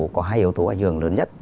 có hai yếu tố ảnh hưởng lớn nhất